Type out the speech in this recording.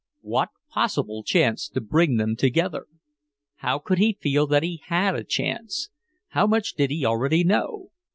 What possible chance to bring them together? How could he feel that he had a chance? How much did he already know?